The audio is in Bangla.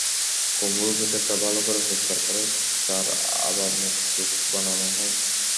কুমড়োর ভেতরটা ভালো করে পরিষ্কার করে তার আবার মুখ-চোখ বানানো হয়।